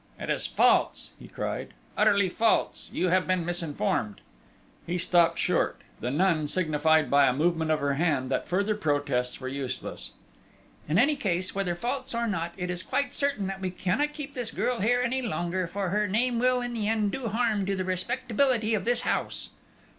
"It is false!" he cried. "Utterly false! You have been misinformed!" He stopped short. The nun signified by a movement of her hand that further protests were useless. "In any case, whether false or not, it is quite certain that we cannot keep this girl here any longer, for her name will, in the end, do harm to the respectability of this house."